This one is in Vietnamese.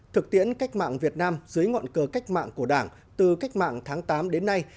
thực tiễn cách mạng việt nam dưới ngọn cờ cách mạng của đảng từ cách mạng tháng tám đến nay